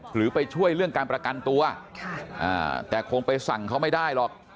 หรือไปช่วยเรื่องการประกันตัวแต่คงไปสั่งเขาไม่ได้หรอก